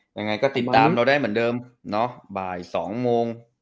ยังไงก็ติดตามเราได้เหมือนเดิมเนาะบ่าย๒โมง